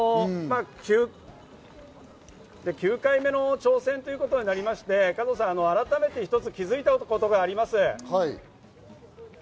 ９回目の挑戦ということになりまして、改めて気づいたことがあります。